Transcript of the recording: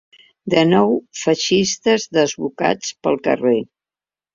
De nou feixistes desbocats pel carrer.